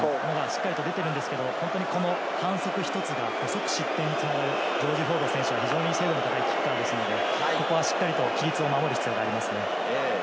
しっかり出ているんですけれど、反則１つが即失点に繋がるジョージ・フォード選手は、精度の高いキッカーですのでしっかり規律を守る必要がありますね。